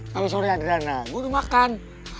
kalau sore adrana gue udah makan